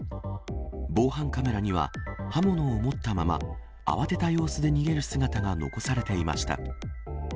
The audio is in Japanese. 防犯カメラには、刃物を持ったまま、慌てた様子で逃げる様子が残されていました。